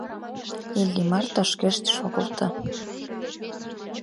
Иллимар тошкешт шогылто.